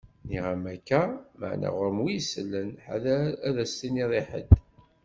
Nniɣ-am akka, maɛna ɣur-m wi isellen. Ḥader ad as-tiniḍ i ḥedd!